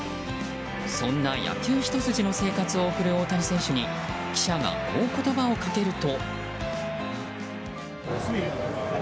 そんな野球ひと筋の生活を送る大谷選手に記者がこう言葉をかけると。